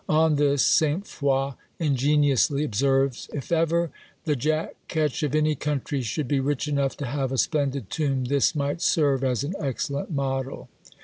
On this St. Foix ingeniously observes, "If ever the Jack Ketch of any country should be rich enough to have a splendid tomb, this might serve as an excellent model."